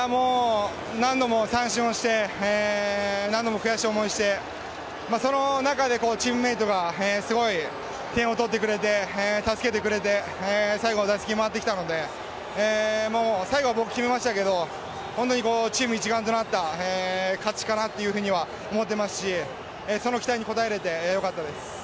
何度も三振をして、何度も悔しい思いをして、その中でチームメイトがすごい点を取ってくれて助けてくれて最後、打席回ってきたので最後は僕決めましたけど本当にチーム一丸となった勝ちかなとは思っていますし、その期待に応えられてよかったです。